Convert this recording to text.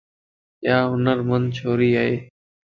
ايا ھنر مند ڇوري ائي.